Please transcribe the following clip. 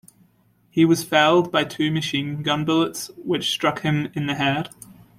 He was felled by two machine gun bullets which struck him in the head.